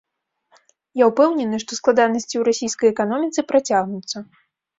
Я ўпэўнены, што складанасці ў расійскай эканоміцы працягнуцца.